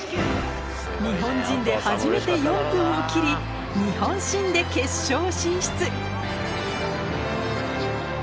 日本人で初めて４分を切り日本新で決勝進出